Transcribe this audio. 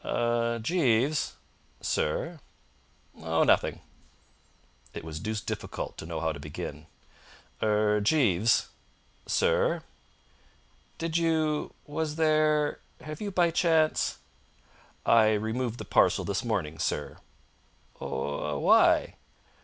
"Er Jeeves!" "Sir?" "Oh, nothing." It was deuced difficult to know how to begin. "Er Jeeves!" "Sir?" "Did you Was there Have you by chance " "I removed the parcel this morning, sir." "Oh ah why?"